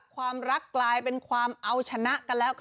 ความรักกลายเป็นความเอาชนะกันแล้วค่ะ